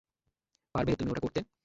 পারবে তুমি ওটা করতে?